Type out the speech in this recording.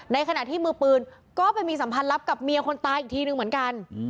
ในขณะที่มือปืนก็ไปมีสัมพันธ์ลับกับเมียคนตายอีกทีนึงเหมือนกัน